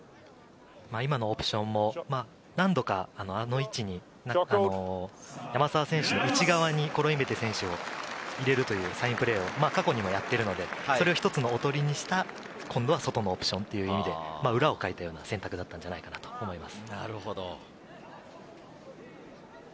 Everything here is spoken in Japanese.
今のオプションも何度か、あの位置に山沢選手の内側にコロインベテ選手が入れるというサインプレー、過去にもやっているので、それを一つのおとりにした今度は外のオプションという意味で、裏をかいたような選択だったのではないかなと思います。